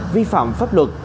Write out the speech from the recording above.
vi phạm pháp luật